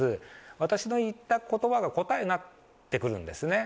私の言ったことばが答えになってくるんですね。